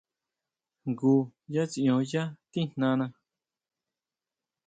Jngu yá tsión yá tijnana.